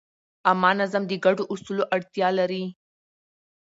عامه نظم د ګډو اصولو اړتیا لري.